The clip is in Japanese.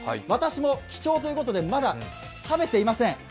私も希少ということで、まだ食べていません。